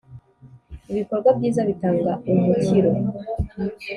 ibikorwa byiza bitanga umukiro